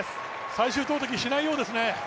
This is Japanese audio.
最終投てき、しないようですね。